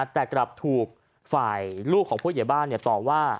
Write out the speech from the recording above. แต่กลับถูกฝ่ายลูกของผู้ใหญ่บ้านต่อว่า